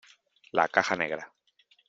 la caja negra .